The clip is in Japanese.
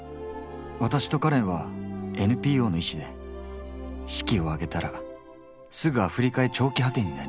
私とカレンはＮＰＯの医師で式を挙げたらすぐアフリカへ長期派遣になります。